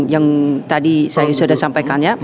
yang tadi saya sudah sampaikan ya